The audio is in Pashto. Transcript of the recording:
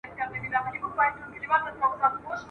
په اولاد به یې د ښکار ګټي خوړلې ..